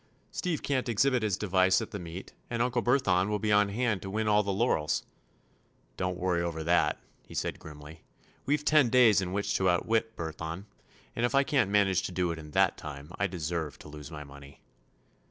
"Steve can't exhibit his device at the meet, and Uncle Burthon will be on hand to win all the laurels." "Don't worry over that," he said grimly. "We've ten days in which to outwit Burthon, and if I can't manage to do it in that time I deserve to lose my money."